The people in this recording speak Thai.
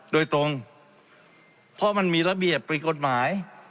โดยตรงเพราะมันมีระเบียบผิดกฎหมาย